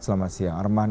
selamat siang arman